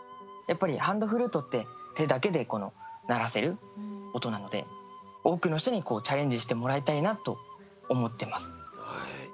やっぱりハンドフルートって手だけで鳴らせる音なので多くの人にチャレンジしてもらいたいなと思ってます。